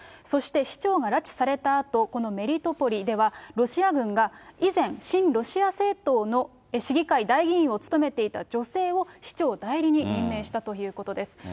そして市長が拉致されたあと、このメリトポリでは、ロシア軍が以前、親ロシア政党の市議会代議員を務めていた女性を市長代理に任命したということです。